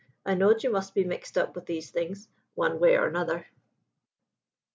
I knawed you must be mixed up with these things, wan way or 'nother.'"